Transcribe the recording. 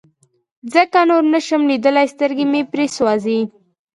ځکه نور نشم ليدلى سترګې مې پرې سوزي.